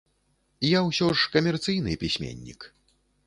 Я ўсё ж камерцыйны пісьменнік.